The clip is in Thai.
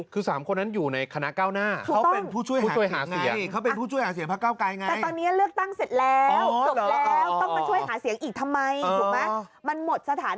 คือ๓คนนั้นอยู่ในคณะเก้าหน้าเขาเป็นผู้ช่วยหาเสียงไงในห